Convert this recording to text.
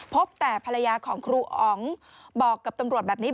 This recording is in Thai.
พบแต่ภรรยาของครูอ๋องบอกกับตำรวจแบบนี้